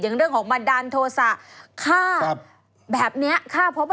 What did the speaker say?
อย่างเรื่องบันดานโทษศาสตร์